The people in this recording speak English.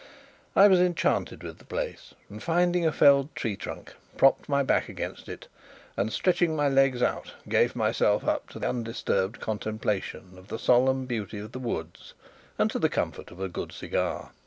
I was enchanted with the place, and, finding a felled tree trunk, propped my back against it, and stretching my legs out gave myself up to undisturbed contemplation of the solemn beauty of the woods and to the comfort of a good cigar.